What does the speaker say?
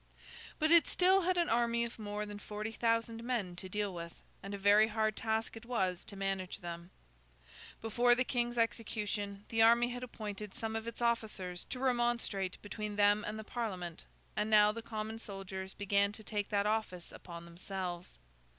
But, it still had an army of more than forty thousand men to deal with, and a very hard task it was to manage them. Before the King's execution, the army had appointed some of its officers to remonstrate between them and the Parliament; and now the common soldiers began to take that office upon themselves.